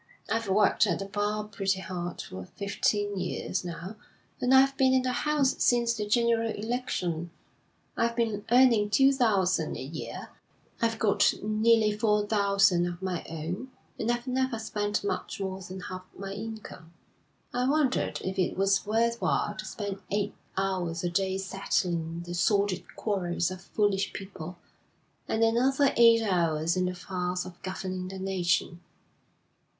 I've worked at the bar pretty hard for fifteen years now, and I've been in the House since the general election. I've been earning two thousand a year, I've got nearly four thousand of my own, and I've never spent much more than half my income. I wondered if it was worth while to spend eight hours a day settling the sordid quarrels of foolish people, and another eight hours in the farce of governing the nation.'